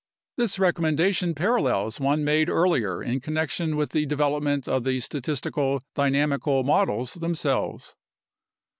This recommendation parallels one made earlier in connection with the development of the statistical dynamical models themselves.